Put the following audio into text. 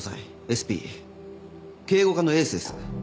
ＳＰ警護課のエースです。